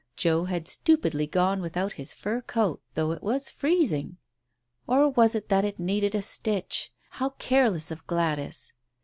Joe had stupidly gone without his fur coat, though it was freezing. Or was it that it needed a stitch ? How careless of Gladys